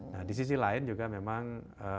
nah disisi lain juga memang